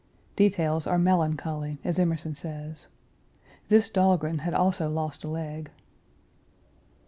Details are melancholy, as Emerson says. This Dahlgren had also lost a leg.